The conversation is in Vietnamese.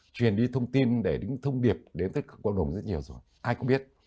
truyền đi thông tin để đứng thông điệp đến các cộng đồng rất nhiều rồi ai cũng biết